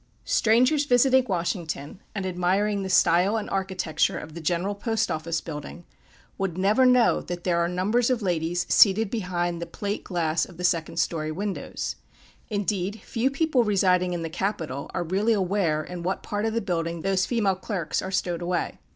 _ Strangers visiting Washington, and admiring the style and architecture of the General Post Office building, would never know that there are numbers of ladies seated behind the plate glass of the second story windows. Indeed, few people residing in the capital are really aware in what part of the building those female clerks are stowed away.